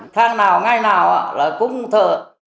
tháng nào ngày nào là cũng thờ